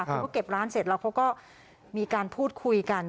เขาก็เก็บร้านเสร็จแล้วเขาก็มีการพูดคุยกัน